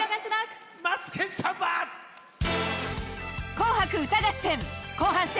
「紅白歌合戦」